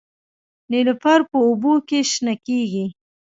نیلوفر په اوبو کې شنه کیږي